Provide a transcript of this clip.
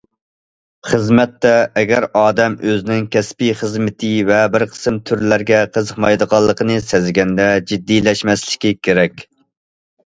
خىزمەتتە، ئەگەر ئادەم ئۆزىنىڭ كەسپىي خىزمىتى ۋە بىر قىسىم تۈرلەرگە قىزىقمايدىغانلىقىنى سەزگەندە، جىددىيلەشمەسلىكى كېرەك.